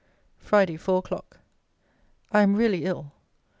FRIDAY, FOUR O'CLOCK. I am really ill.